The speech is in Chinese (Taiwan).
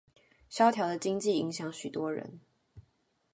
蕭條的經濟影響許多人